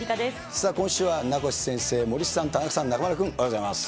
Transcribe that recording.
さあ、今週は名越先生、森さん、田中さん、中丸君、おはようございます。